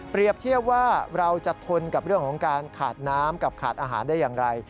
เทียบว่าเราจะทนกับเรื่องของการขาดน้ำกับขาดอาหารได้อย่างไร